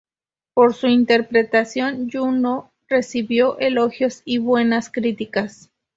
Por su interpretación Jun-ho recibió elogios y buenas críticas.